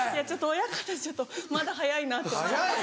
親方ちょっとまだ早いなと思って。